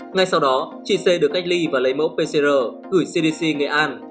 ngay sau đó chị c được cách ly và lấy mẫu pcr gửi cdc nghệ an